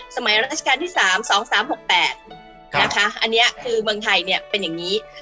ราชการที่๓๒๓๖๘นะคะอันนี้คือเมืองไทยเนี่ยเป็นอย่างนี้